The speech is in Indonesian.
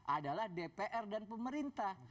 adalah dpr dan pemerintah